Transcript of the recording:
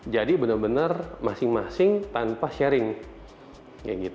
jadi benar benar masing masing tanpa sharing